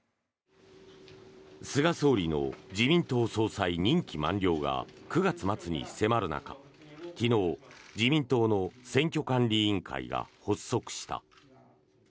菅総理の自民党総裁任期満了が９月末に迫る中、昨日自民党の選挙管理委員会が発足した。